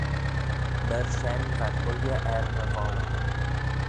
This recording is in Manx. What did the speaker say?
Myr shen v'ad ooilley er ny volley.